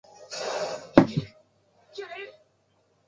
今日の晩ごはんはカレーだ。